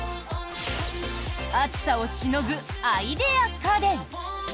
暑さをしのぐアイデア家電。